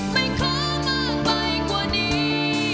ไม่ขอมากไปกว่านี้